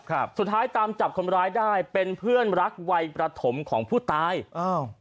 สุดท้ายตามจับคนร้ายได้เป็นเพื่อนรักวัยประถมของผู้ตายอ้าว